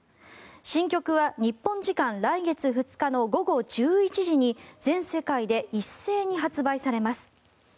新曲は日本時間来月２日の午後１１時に全世界で一斉に発売されます。